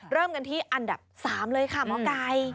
เริ่มกันที่อันดับ๓เลยค่ะหมอไก่